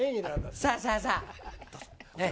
さあさあさあ。